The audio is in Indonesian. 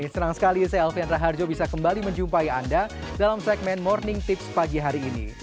senang sekali saya alfian raharjo bisa kembali menjumpai anda dalam segmen morning tips pagi hari ini